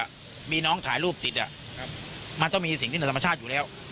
ว่ามีน้องถ่ายรูปติดมันต้องมีสิ่งที่เหนือธรรมชาติอยู่แล้ว